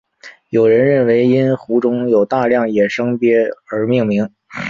有人认为因湖中有大量野生鳖而命名。